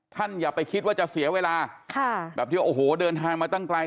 อย่าไปคิดว่าจะเสียเวลาค่ะแบบที่โอ้โหเดินทางมาตั้งไกล